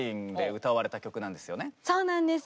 そうなんです。